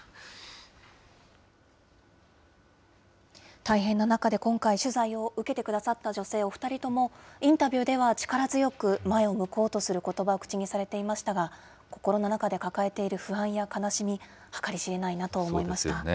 大変な中で、今回、取材を受けてくださった女性、お２人とも、インタビューでは力強く、前を向こうとすることばを口にされていましたが、心の中で抱えている不安や悲しみ、計り知れないなと思そうですよね。